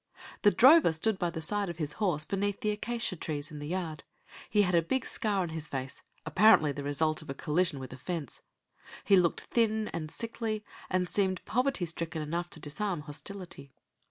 The drover stood by the side of his horse, beneath the acacia trees in the yard. He had a big scar on his face, apparently the result of collision with a fence; he looked thin and sickly and seemed poverty stricken enough to disarm hostility.